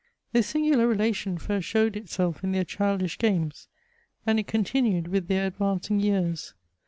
" This singular relation first showed itself in their childish games, and it continued with their advancing years.